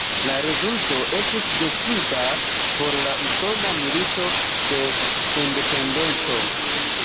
La rezulto estis decida por la Usona Milito de Sendependeco.